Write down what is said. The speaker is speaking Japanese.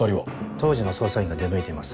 当時の捜査員が出向いてます。